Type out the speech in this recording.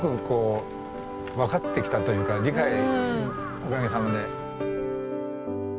理解おかげさまで。